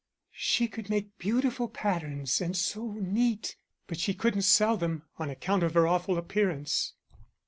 "She could make beautiful patterns and so neat, but she couldn't sell them, on account of her awful appearance.